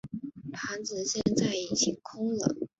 盘子现在已经空了。